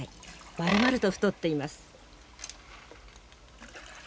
まるまると太っています。